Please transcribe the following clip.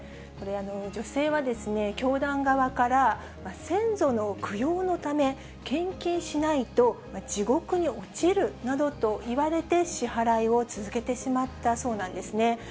女性はですね、教団側から先祖の供養のため、献金しないと地獄に落ちるなどと言われて、支払いを続けてしまったそうなんですね。